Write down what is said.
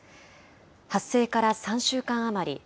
発生から３週間余り。